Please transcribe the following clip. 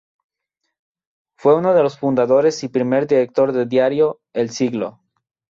Fue uno de los fundadores y primer director de diario "El Siglo".